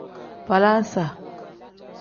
Falaasa.